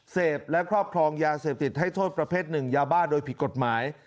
เสพและครอบครองยาเสพติดให้โทษประเภทหนึ่งยาบ้าโดยผิดกฎหมาย